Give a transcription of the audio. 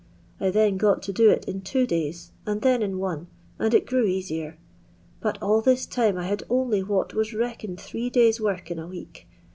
I then got to do it in two days, and then in one, and it grew easier. But all this time I had only what was reckoned three days' work in a week.